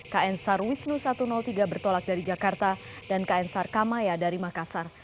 kn sar wisnu satu ratus tiga bertolak dari jakarta dan kn sar kamaya dari makassar